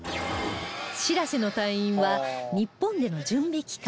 「しらせ」の隊員は日本での準備期間